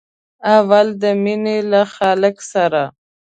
اول د مینې له خالق سره.